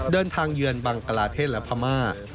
เดินทางเยือนบังการาเทศและพม่า